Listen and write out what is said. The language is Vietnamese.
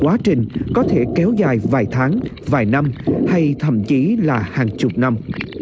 quá trình có thể kéo dài vài tháng vài năm hay thậm chí là hàng chục năm